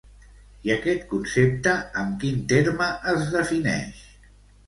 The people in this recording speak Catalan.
I aquest concepte amb quin terme es defineix?